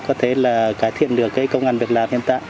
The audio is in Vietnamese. có thể là cải thiện được cái công an việc làm hiện tại